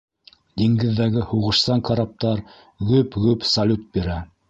Диңгеҙҙәге һуғышсан караптар гөп-гөп салют бирә...